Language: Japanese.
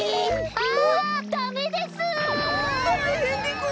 あダメです！